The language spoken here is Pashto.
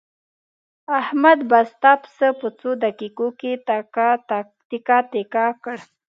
احمد بسته پسه په څو دقیقو کې تکه تکه کړ.